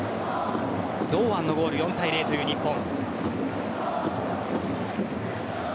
堂安のゴール４対０という日本。